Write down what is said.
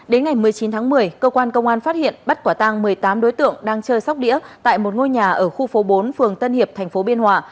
đến ngày một mươi chín tháng một mươi cơ quan công an phát hiện bắt quả tăng một mươi tám đối tượng đang chơi sóc đĩa tại một ngôi nhà ở khu phố bốn phường tân hiệp tp biên hòa